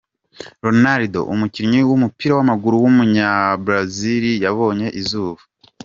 Ronaldo, umukinnyi w’umupira w’amaguru w’umunyambrazil yabonye izuba.